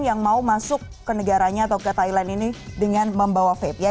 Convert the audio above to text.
yang mau masuk ke negaranya atau ke thailand ini dengan membawa vape ya